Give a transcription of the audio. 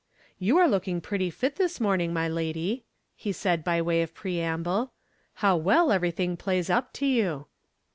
"You are looking pretty fit this morning, my lady," he said by way of preamble. "How well everything plays up to you."